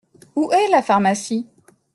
Où est la pharmacie ?